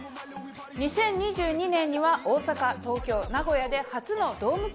２０２２年には大阪東京名古屋で初のドームツアーを開催。